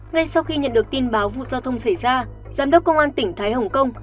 ngay sau khi nhận được tin báo vụ giao thông xảy ra giám đốc công an tỉnh thái hồng kông